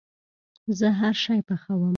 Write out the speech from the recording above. زه هرشی پخوم